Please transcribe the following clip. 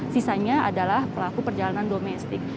sisanya adalah pelaku perjalanan domestik